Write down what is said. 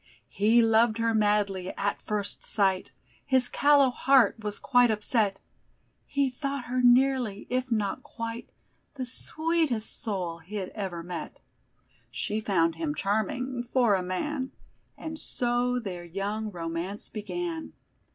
He loved her madly, at first sight; His callow heart was quite upset; He thought her nearly, if not quite, The sweetest soul he'd ever met; She found him charming for a man, And so their young romance began.